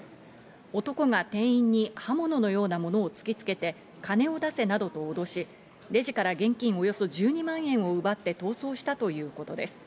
男が店員に刃物のようなものを突きつけて金を出せなどとおどし、レジから現金およそ１２万円を奪って逃走したということです。